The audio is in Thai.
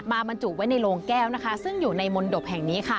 บรรจุไว้ในโรงแก้วนะคะซึ่งอยู่ในมนตบแห่งนี้ค่ะ